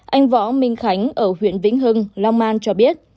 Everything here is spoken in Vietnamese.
anh võ minh khánh ở huyện vĩnh hưng long an cho biết